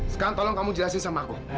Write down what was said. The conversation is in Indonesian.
sekarang tolong kamu jelasin sama aku